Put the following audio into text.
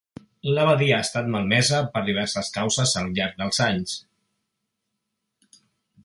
L’abadia ha estat malmesa per diverses causes al llarg dels anys.